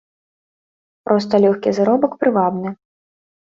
Проста лёгкі заробак прывабны.